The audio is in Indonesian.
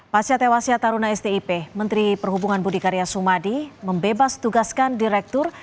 pasca tewasnya taruna stip menteri perhubungan budi karya sumadi membebas tugaskan direktur